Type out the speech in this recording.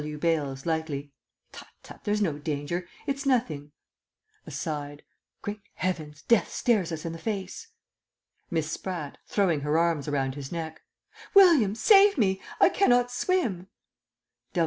W. Bales (lightly). Tut tut, there's no danger. It's nothing. (Aside) Great Heavens! Death stares us in the face! Miss Spratt (throwing her arms around his neck). William, save me; I cannot swim!